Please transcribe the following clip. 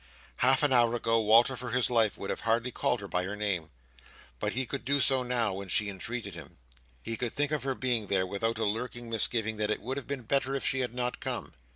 Half an hour ago Walter, for his life, would have hardly called her by her name. But he could do so now when she entreated him. He could think of her being there, without a lurking misgiving that it would have been better if she had not come.